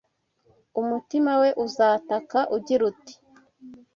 umutima we uzataka ugira uti